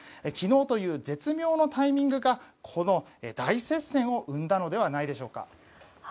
昨日という絶妙なタイミングがこの大接戦を生んだのではないでしょうか。